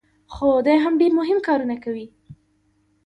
خو دی هم ډېر مهم کارونه کوي.